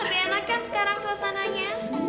lebih enak kan sekarang suasananya